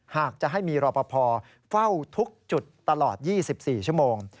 หากจะให้มีรอปภเฝ้าทุกจุดตลอด๒๔ชั่วโมง